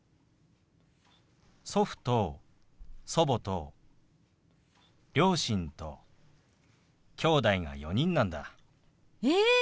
祖父と祖母と両親ときょうだいが４人なんだ。え！